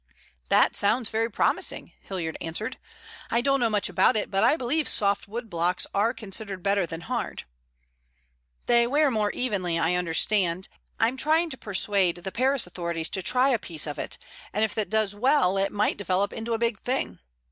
"That sounds very promising," Hilliard answered. "I don't know much about it, but I believe soft wood blocks are considered better than hard." "They wear more evenly, I understand. I'm trying to persuade the Paris authorities to try a piece of it, and if that does well it might develop into a big thing.